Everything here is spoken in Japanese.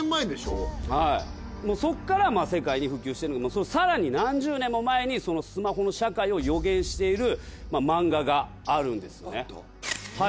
もうそっから世界に普及してその更に何十年も前にそのスマホの社会を予言している漫画があるんですよね。